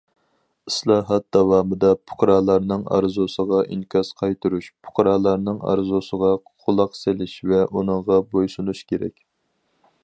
ئىسلاھات داۋامىدا پۇقرالارنىڭ ئارزۇسىغا ئىنكاس قايتۇرۇش پۇقرالارنىڭ ئارزۇسىغا قۇلاق سېلىش ۋە ئۇنىڭغا بويسۇنۇش كېرەك.